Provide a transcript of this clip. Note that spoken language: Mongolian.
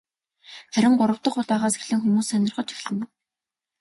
Харин гурав дахь удаагаас эхлэн хүмүүс сонирхож эхэлнэ.